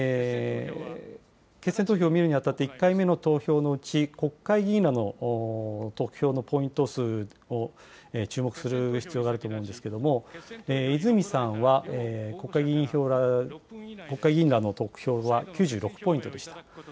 決選投票を見るにあたって１回目の投票のうち、国会議員らの得票のポイント数を注目する必要があると思うんですけれども、泉さんは国会議員らの得票は９６ポイントでした。